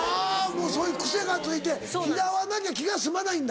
もうそういう癖がついて拾わなきゃ気が済まないんだ。